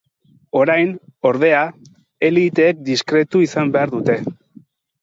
Orain, ordea, eliteek diskretu izan behar dute.